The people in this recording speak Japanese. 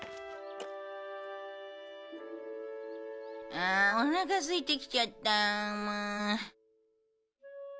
ああおなかすいてきちゃったもう。